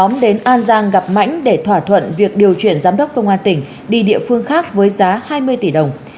mãnh đã liên hệ với mãnh để thỏa thuận việc điều chuyển giám đốc công an tỉnh đi địa phương khác với giá hai mươi tỷ đồng